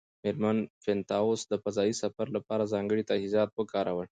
مېرمن بینتهاوس د فضایي سفر لپاره ځانګړي تجهیزات وکارول.